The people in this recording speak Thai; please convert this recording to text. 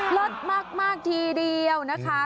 สดมากทีเดียวนะคะ